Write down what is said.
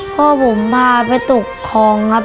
พ่อผมพาไปตกคลองครับ